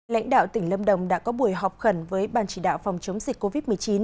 lãnh đạo tỉnh lâm đồng đã có buổi họp khẩn với ban chỉ đạo phòng chống dịch covid một mươi chín